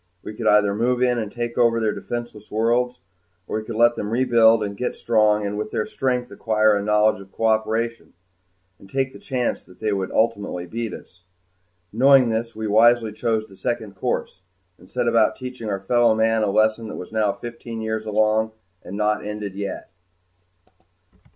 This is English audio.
We could either move in and take over their defenseless worlds, or we could let them rebuild and get strong, and with their strength acquire a knowledge of cooperation and take the chance that they would ultimately beat us. Knowing this, we wisely chose the second course and set about teaching our fellow men a lesson that was now fifteen years along and not ended yet.